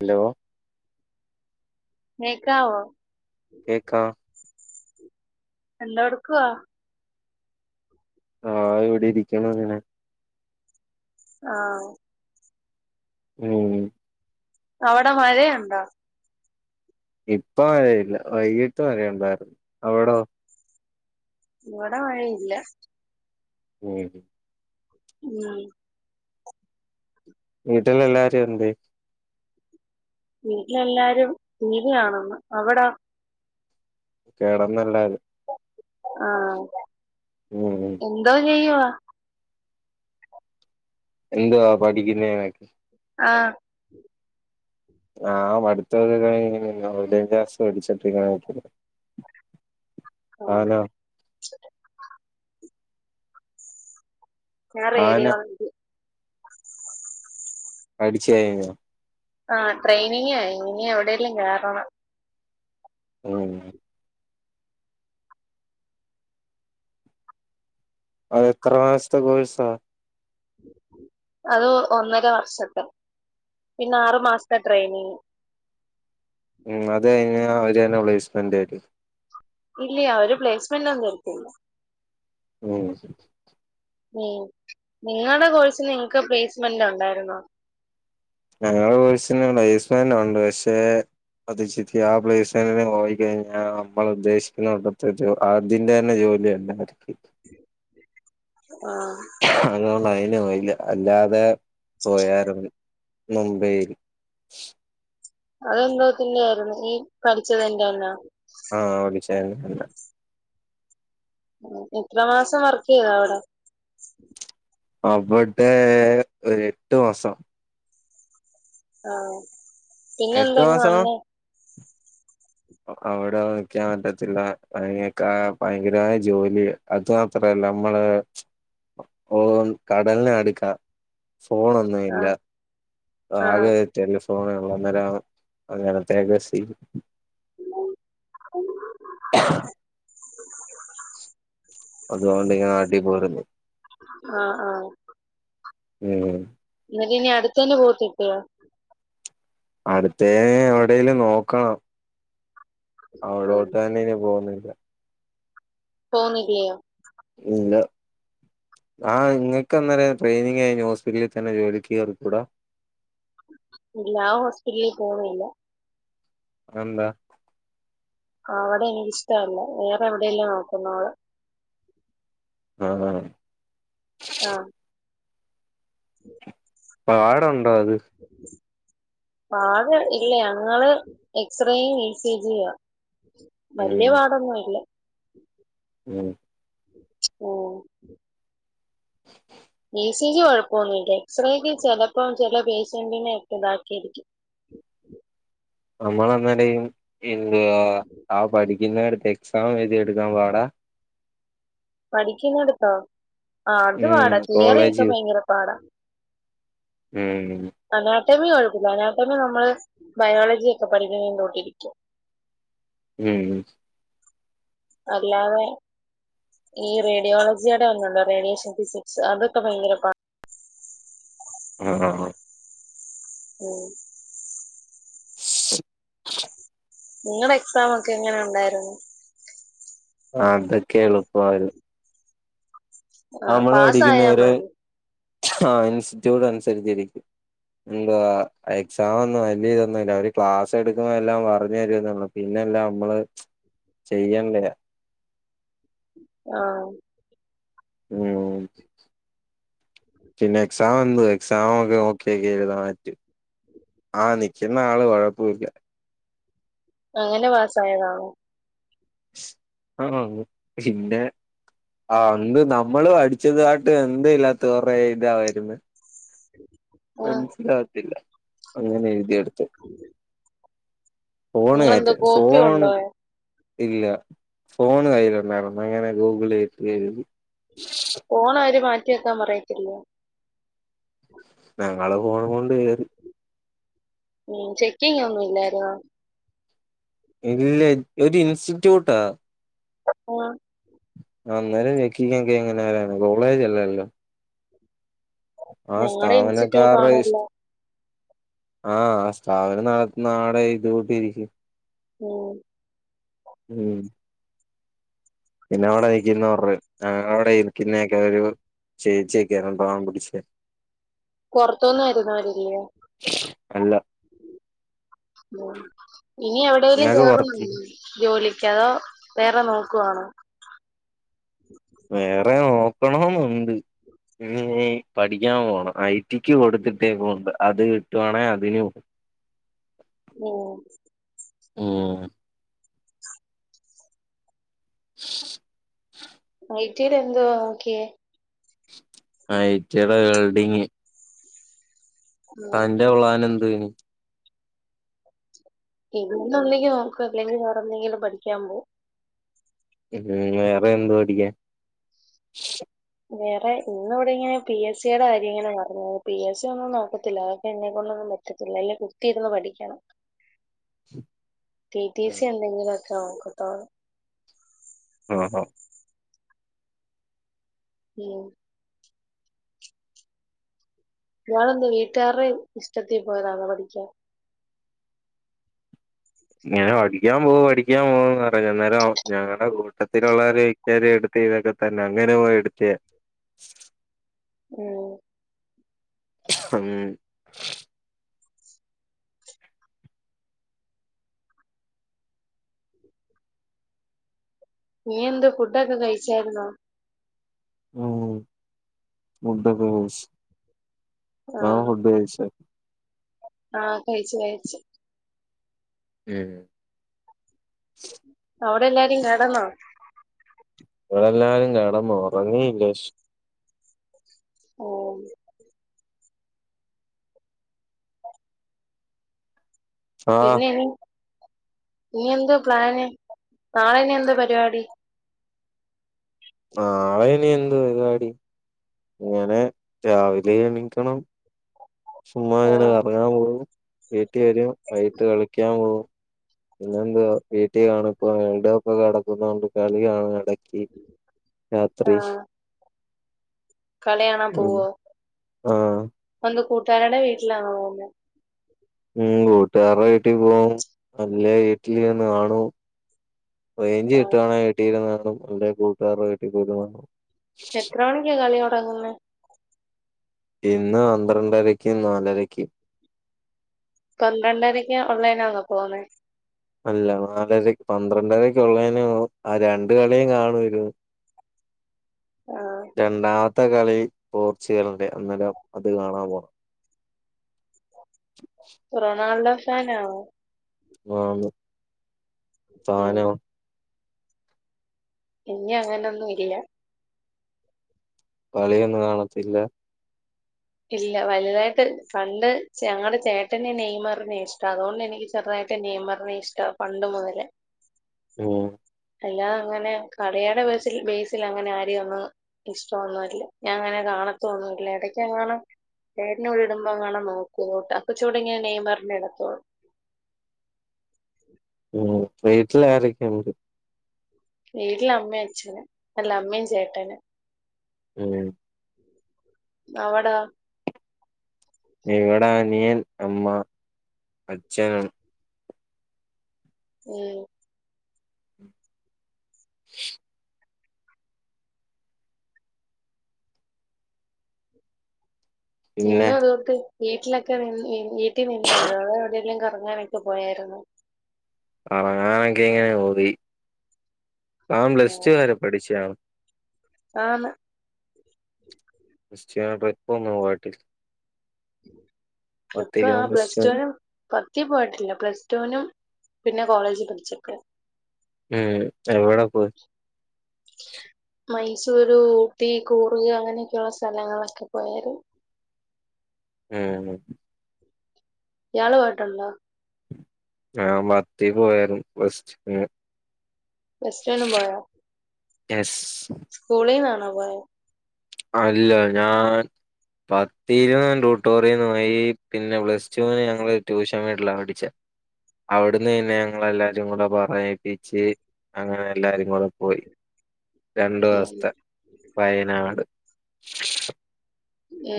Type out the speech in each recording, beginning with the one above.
Hello കേക്കാവോ കേക്കാം എന്തോ എടുക്കുവാ ആഹ് ഇവിടെ ഇരിക്കണു അങ്ങനെ ആഹ് ഉം അവിടെ മഴയുണ്ടോ ഇപ്പ മഴയില്ല വൈകീട്ട് മഴയുണ്ടായിരുന്നു അവിടോ ഇവിട മഴയില്ല ഉം ഉം വീട്ടിൽ എല്ലാരും എന്തേ വീട്ടിലെല്ലാരും ടീവി കാണുന്ന് അവിടോ കെടന്നെ എല്ലാരും ആഹ് ഉം ഉം എന്തോ ചെയ്യുവാ എന്തുവാ പഠിക്കുന്നനൊക്കെ ആഹ് ആഹ് പടുത്ത ഒക്കെ കഴിഞ്ഞ് ഓയിൽ ആന്റ് ഗ്യാസ് പിടിച്ചിട്ട് ഇങ്ങനെ നിക്കുന്ന് ഉം. താനോ ഞാന്‍ ആന റേഡിയോളജി പഠിച്ച് കഴിഞ്ഞോ ആഹ് ട്രെയിനിങ് കഴിഞ്ഞു ഇനി എവിടെലും കേറണം ഉം അത് എത്ര മാസത്തെ കോഴ്സാ അത് ഒന്നര വർഷത്തെ പിന്നെ ആറു മാസത്തെ ട്രെയിനിങ് ഉം അത് കഴിഞ്ഞ അവര് തന്നെ പ്ലേസ്മെന്റ് തരു ഇല്ല അവര് പ്ലേസ്മെന്റ് ഒന്നും തരത്തില്ല ഉം ഉം നിങ്ങടെ കോഴ്സിന് നിങ്ങക്ക് പ്ലേസ്മെന്റ് ഉണ്ടായിരുന്നോ ഞങ്ങടെ കോഴ്സിന് പ്ലേസ്മെന്റ് ഉണ്ട് പക്ഷെ അത് ചിറ്റ ആ പ്ലേസ്മെന്റിന് പോയിക്കഴിഞ്ഞാൽ നമ്മള ഉദ്ദേശിക്കുന്ന അകത്തേത്ത് അതിന്റെ തന്നെ ജോലിയല്ല ആർക്ക് ആഹ് അതൊണ്ട് അതിന് പോയില്ല അല്ലാതെ പോയാരിന്ന് മുംബൈയിൽ അതെന്തൊത്തിന്റെ ആയിരിന്ന് ഈ പഠിച്ചതിന്റെ തന്നാ ആഹ് പടിച്ചെന്റെ തന്നെ എത്രമാസം വർക്ക് ചെയ്ത് അവിട അവിടെ ഒരു എട്ടു മാസം ആഹ് എട്ട് പിന്നെന്തെ ഇങ്ങു മാസം വന്നേ അവിടെ നിക്കാൻ പറ്റത്തില്ല [unintelligible] ഭയങ്കരമായ ജോലി അത് മാത്രല്ല നമ്മള് ഓ കടലിനെടുക്ക ഫോണൊന്നും ഇല്ല ആഹ് ആഹ് ആകെ ടെലിഫോൺ ഉള്ള അന്നേരം അങ്ങനത്തെ [unintelligible] അതുകൊണ്ട് ഞാൻ നാട്ടി പോയിരുന്നു ആഹ് ആഹ് ഉം ന്നിട്ട് നി അടുത്തയന് പോവത്തില്ലേ അടുത്തേന് എവിടേലും നോക്കണം ഉം അവിടോട്ട്നീ നി പോണില്ല പോന്നില്ല്യേ ഇല്ല ആഹ് ഇങ്ങക്കന്നേരം ട്രെയിനിങ് കയിഞ്ഞു ഹോസ്പിറ്റലിൽ തന്നെ ജോലിക്കെറികൂടാ ഇല്ലാ ആഹ് ഹോസ്പിറ്റല് പോണില്ല അതെന്താ അവിടെ എനിക്കിഷ്ടല്ല വേറെ എവിടെല്ലേ നോക്കുന്നോള് [unintelligible] ആഹ് പാടുണ്ടോ അത് പാട് ഇല്ല ഞങ്ങള് എക്സ്റേയും ഇ സി ജിയാ ഉം വല്ല്യ പാടൊന്നുല്ല ഉം ഉം ഇ സി ജി കൊഴപ്പൊന്നുല്ല എക്സ്റേക്ക് ചെലപ്പോ ചെല പേഷ്യന്റിനെ ഒക്കെ ഇതാക്കിയിരിക്കും നമ്മളങ്ങനേയും എന്താ ആ പഠിക്കുന്നടുത്ത് എക്സാം എഴുതി എടുക്കാൻ പാടാ പഠിക്കുന്നടുത്തോ ആ അത് ഉം പാടാ തിയറി ഒക്കെ കോളേജ് ഭയങ്കര പാടാ ഉം അനാട്ടമി കൊഴപ്പല്ല അനാട്ടമി നമ്മള് ബയോളജിയോക്കെ പഠിക്കന്തോട്ടിരിക്കും ഉം ഉം അല്ലാതെ ഈ റേഡിയോളജിയുടെ ഒന്നുണ്ടോ റേഡിയേഷൻ ഫിസിക്സ് അതൊക്കെ ഭയങ്കര പാ ആണോ ഉം നിങ്ങടെ എക്സാാം ഒക്കെ എങ്ങനെ ഉണ്ടായിരുന്നു ആതൊക്കെ എളുപ്പമായിരുന്നു ആ നമ്മള് പാസ്സായാ പഠിക്കുന്നര് മതി ആഹ് ഇൻസ്റ്റിറ്റ്യൂട്ട് അനുസരിച്ചാരിക്കും എന്തുവാ എക്സാമൊന്നും വല്ല്യ ഇതൊന്നുമല്ല അവര് ക്ലാസ് എടുക്കുമ്പോ എല്ലാം പറഞ്ഞ് തരുന്നൊള്ളൂ പിന്നെല്ലമ്മള് ചെയ്യാ [unintelligible] ആഹ് ഉം പിന്നെ എക്സാമെന്തു എക്സാം ഒക്കെ നോക്കി എഴുതാൻ പറ്റും ആഹ് നിക്കുന്ന ആള് കൊഴപ്പൂല്ല അങ്ങനെ പാസായതാണോ ആഹ് പിന്നെ ആ അന്ന് നമ്മള് അടി ച്ചതായിട്ട് എന്തെയില്ലാത്ത കൊറേ എഴുതാൻ വരുന്ന് ആ മൻസ്സിലാകത്തില്ല അങ്ങനെ എഴുതിയെടുത്തു ഫോണ് കേറ്റ നിങ്ങളെന്തോ കോപ്പി ഫോണ് കൊണ്ടുപോയോ ഇല്ല ഫോണ് കയ്യിലുണ്ടായിരുന്നു അങ്ങനെ ഗൂഗിളെ എഴുതി ഫോണവര് മാറ്റി വെയ്ക്കാൻ പറയത്തില്ലേ ഞങ്ങള് ഫോണും കൊണ്ട് കേറി ഉം ചെക്കിങ്ങൊന്നും ഇല്ലേനിയോ ഇല്ലെ ഒരു ഇൻസ്റ്റിറ്റ്യൂട്ടാ ഉം അന്നേരം ചെക്കിങ്ങക്കെ എങ്ങനെ വെരാനാ കോളേജ് അല്ലല്ലോ ആ ഞങ്ങളുടെ ഇൻസ്റ്റിറ്റ്യൂട്ട് സ്ഥാപാനക്കാറെയി ആണല്ലോ ആഹ് ആ സ്ഥാപനം നടത്തുന്ന ആളെ കൂട്ടിരിക്കും ഉം ഉം പിന്നെ അവടെ നിക്ക്യുന്നവറ് ഞങ്ങളവടെ ഇരിക്ക്യുന്നക്കേ ഒരു ചേച്ചിയെക്കെയാ പാവം പിടിച്ചെ പൊറത്തൂന്ന് വെരുന്നവര്ല്ല്യേ അല്ല ഇനി എവിടേലും ഞങ്ങക്ക് കേറുന്നു പുറത്ത് ജോലിക്ക്യതോ വേറെ നോക്കുവാണോ വേറെ നോക്കോണോന്നുണ്ട് ഇന്ന്ഞ്ഞി പഠിക്ക്യാൻ പോണം ഐ റ്റിക്ക് കൊടുത്തിട്ടേപ്പുണ്ട് അത് കിട്ടുവാണെ അതിന് [unintelligible] ഉം ഉം ഐ റ്റിയേല് എന്തുവാ നോക്ക്യേ ഐ റ്റിയേടെ വെൽഡിംഗ് ഉം തൻ്റെ പ്ലാനെന്തുവേനി ഇതിന്നൊന്നങ്കി നോക്കും അല്ലെങ്കി വേറെന്തെങ്കിലും പഠിക്ക്യാ പോവും ഉം വേറെയെന്ത് പഠിക്ക്യാൻ വേറെ ഇന്ന് ഇവടെയിങ്ങനെ പി എസ് സിയേടെ കാര്യയിങ്ങനെ പറഞ്ഞു പി എസ് സി ഒന്നും നോക്കത്തില്ല അവൊക്കെ എന്നെക്കൊണ്ടൊന്നും പ റ്റത്തില്ല അല്ലേ കുത്തിയിരുന്ന് പഠിക്ക്യണം ടി ടി സി എന്തെങ്കിലൊക്കെ നോക്കത്തോള്ളു ആഹ് ആഹ് ഉം ഇയാളെന്തുവാ വീട്ടാര്ടെ ഇഷ്ടത്തി പോയതാന്നോ പഠിക്ക്യാൻ ഇങ്ങനെ പഠിക്ക്യാപ്പോ പഠിക്ക്യാപ്പോന്ന് പറഞ്ഞ് അന്നേരം ഞങ്ങള്ടെ കൂട്ടത്തിലുള്ളൊര് ചേരെം ഇട്ക്കേം ഇതൊക്കെ തന്നെ അങ്ങനെ പോയി എടുത്തയാ ഉം ഉം നീയെന്ത് ഫുഡൊക്കെ കഴിച്ചാരുന്നോ ഉം ഫുഡൊക്കെ കഴിച്ച് ഞാൻ ആഹ് ഫുഡ് കഴിച്ച് ആഹ് കഴിച്ച് കഴിച്ച് ഉം അവടെയെല്ലാരും കെടന്നോ ഇവടെല്ലാരും കെടന്നു ഒറങ്ങീല്ല ഓഹ് ആഹ് പിന്നേയിനി ഇനിയെന്തു പ്ലാന് നാളെ ഇനിയെന്തോ പരിവാടി നാളെ ഇനിയെന്ത് പരിവാടി ഇങ്ങനെ രാവിലെ എണീക്കണം സുമ്മാ ഓ ഇങ്ങനെ കറങ്ങാൻ പോവും വീട്ടി വെരും വൈകിട്ട് കളിക്ക്യാൻ പോവും പിന്നെ എന്താ വീട്ടി കാണും [unintelligible] കെടക്കുന്നോണ്ട് കളി കാണും എട ക്ക്യ് ആ രാത്രി കളി കാണാ ഉം പോവോ ആഹ് ഇപ്പെന്ന് കൂട്ട്ക്കാരെടെ വീട്ടിലാണോ പോകാ ഉം കൂട്ടുകാരെ വീട്ടിൽ പോകും അല്ലേ വീട്ടിലിന്ന് കാണും റേഞ്ച് ആ കിട്ടുകവാണെങ്കിൽ വീട്ടിൽ നിന്ന് കാണും അല്ലെ കൂട്ടുകാരെ വീട്ടിൽ പോയി കാണും എത്ര മണിക്കാ കളി തുടങ്ങുന്നത് ഇന്ന് പന്ത്രണ്ടായിരക്കും നാലരക്കും പന്ത്രണ്ടരക്ക ഓൺലൈനാ പോന്ന അല്ല നാലര പന്ത്രണ്ടരക്കെ ഉള്ളതിനന് ആ രണ്ട് കളിയും കാണും ഇരുന്ന് [inaudible] ആ രണ്ടാമത്തെ കളിയി പോർച്ചുഗലിന്റെ അന്നരം അത് കാണാൻ പോകണം റൊണാൾഡോ ഫാൻ ആണോ ആ ന്ന് ഉം താനോ എനിക്ക് അങ്ങനെയൊന്നും ഇല്ല കളിയൊന്നും കാണത്തില്ല ഇല്ല വലുതായിട്ട് പണ്ട് ഞങ്ങളുടെ ചേട്ടനെ നെയ്മറി നേ ഇഷ്ടം അതുകൊണ്ട് എനിക്ക് ചെറുതായിട്ട് നിക്ക് നെയ്മറിനെ ഇഷ്ട പണ്ട് മുതലേ ഉം അല്ലാത അങ്ങനെ കളിയുടെ ബേസിൽ അങ്ങനെ ആര് വന്ന് ഇഷ്ടം ന്നുംല്ല ഞാൻ അങ്ങനെ കാണത്തൊന്നുമല്ല ഇടയ്ക്ക് അങ്ങനെ ചേട്ടൻ ഇടുമ്പോ അങ്ങനെ നോക്കും അപ്പൊ ചൂടി ഇങ്ങനെ നെയ്മറിന്റെ ഇ ടത്തോളു ഉ വീട്ടിൽ ആരൊക്കെയണ്ട് വീട്ടില് അമ്മയും അച്ഛനും അല്ല അമ്മയും ചേട്ടനും ഉം അവിടാ ഇവിടെ അനിയൻ അമ്മ അച്ഛൻ ഉം [inaudible] പിന്നെ ഇന്ന് അതുകൊട്ട് വീട്ടിലൊക്കെ നി വീട്ടിൽ നിന്നേ തോടെ എവിടെയെങ്കിലും കറങ്ങാനൊക്കെ പോയായിരുന്നോ കറങ്ങാനൊക്കെ ഇങ്ങനെ പോയി അവൻ പ്ലസ് ടു വരെ പഠിച്ചാണ് ആന്ന് ക്രിസ്ത്യാനായിട്ട ഇപ്പന്നോ വാട്ടിൽ എപ്പ പത്തിലും ആ ക്രിസ്റ്റ്യാ പ്സ്റ്റ പത്തി പോയിട്ടില്ല പ്ലസ് ടു വിനും പിന്നെ കോളേജ് പഠിച്ചപ്പോ ഉം എവിടെ പോയി മൈസൂര് ഊട്ടി കൂറുക അങ്ങനെയൊക്കെയള്ള സ്ഥലങ്ങളൊക്കെ പോയാഴി രുന്നു ഉം ഇയാൾ പോയിട്ടുണ്ടോ ആഹ് ഞാൻ പത്തിൽ പോയരുന്നു പ്ലസ് ടുവിന് പ്ലസ്ടു എല്ലാം പോയോ എസ് സ്കൂളിൽന്നാണോ പോയത് അല്ല ഞാൻ പത്തി ഇരുന്ന് ട്യൂട്ടോറിയന്ന്യി പിന്നെ പ്ലസ് റ്റുവിന് ഞങ്ങള് ട്യൂഷൻ വീട്ടില പഠിച്ച അവിടുന്ന് തന്നെ ഞങ്ങള എല്ലാരും കൂടെ പറയിപ്പിച്ച് അങ്ങനെ എല്ലാരും കൂടെ പോയി രണ്ടു ഉം ദിവസത്തെ വയനാട്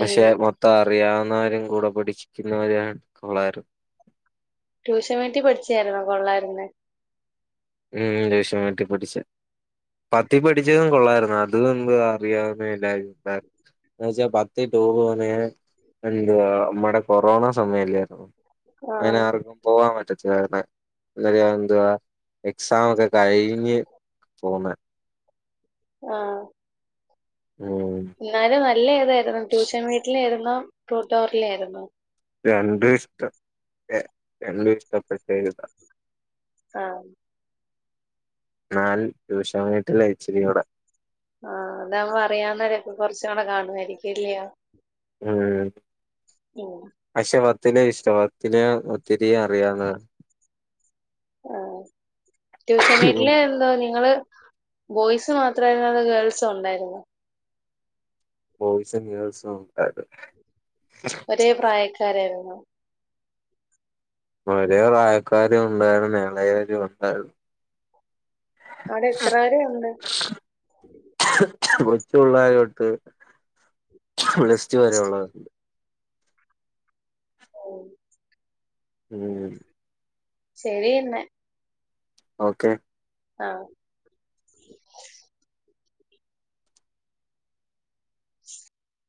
പക്ഷെ മൊത്തം അറിയാവുന്നവരും കൂടെ പഠിച്ചിക്കുന്നവരും ഉള്ളായിരുന്നു ട്യൂഷൻ വേണ്ടി പഠിച്ചായിന്നോ കൊള്ളായിരുന്നേ ഉം ട്യൂഷൻ വീട്ടിൽ പഠിച്ചേ പത്ത് പഠിച്ചതും കൊള്ളായിരുന്നു [unintelligible] എന്ന വെച്ചാ പത്തിൽ ടൂർ പോകുന്നേ നമ്മടെ കൊറോണ സമയല്ലായിരുന്നോ? അങ്ങനെ ആഹ് ആർക്കും പോവാൻ പറ്റത്തില്ല കാര എ എന്തുവാ? എക്സാം ഒക്കെ കഴിഞ്ഞ് പോന്നെ ആഹ് ഉം ഇന്നാലും നല്ല ഏതായിരുന്നു ട്യൂഷൻ വീട്ടില ആയിരുന്നോ ട്ടൂട്ടോറിയൽ ആയിരുന്നോ? രണ്ടും ഇഷ്ടം രണ്ടും ഇഷ്ടപ്പെട്ടരുതാ ആഹ് നാല് ടൂഷൻ വീട്ടിലാ ഇച്ചിരി യോടെ? ആഹ് അതാവ്മ്പോ അറിയന്നരൊക്കെ കൊറച്ച കൂടെ കാണുവായിരിക്കില്ലയോ? ഉം ഉം പക്ഷെ വത്തിനെ ഇഷ്ടം വത്തിന് വത്തിരി അറിയാവുന്ന. ആഹ് ട്യൂഷൻ വീട്ടില് എന്തോ നിങ്ങള്. ബോയ്സ് മാത്രമായിരുന്നു അതോ ഗേൾസും ഉണ്ടായിരുന്നോ? ബോയ്സൻ ഗേൾസും ഉണ്ടായിരുന്നു ഒരേ പ്രായക്കാരായിരുന്നോ? വരേ പ്രായക്കാരും ഉണ്ടായരുന്നു എളെവരു ഉണ്ടായിരുന്നു. അവിടെ എത്ര വരെ ഉണ്ട്? കൊച്ച ഉള്ളായിട്ട് ലിസ്റ്റ് വരെ ഉള്ളതണ്ട് ഓഹ് ഉം ശരി എന്നെ ഓക്കെ ആഹ്